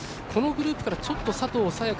このグループからちょっと佐藤早